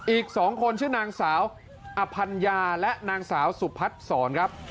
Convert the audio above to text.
อีก๒คนชื่อนางสาวอัพัญญาและนางสาวสุภัทธ์ศร